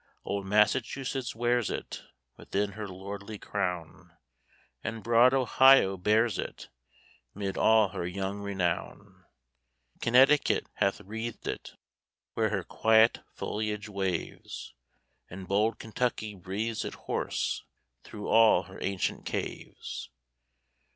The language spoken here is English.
Old Massachusetts wears it Within her lordly crown, And broad Ohio bears it 'Mid all her young renown; Connecticut hath wreathed it Where her quiet foliage waves, And bold Kentucky breathes it hoarse, Through all her ancient caves.